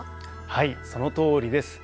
はいそのとおりです。